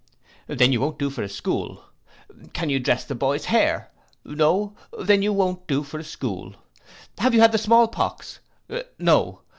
Then you won't do for a school. Can you dress the boys hair? No. Then you won't do for a school. Have you had the small pox? No.